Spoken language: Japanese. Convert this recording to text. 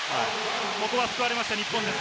ここは救われました、日本です。